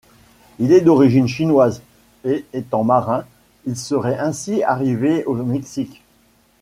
Il est d'origine chinoise, et étant marin, il serait ainsi arrivé au Mexique.